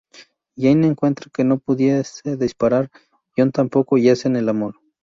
Jane encuentra que no puede disparar John tampoco, y hacen el amor.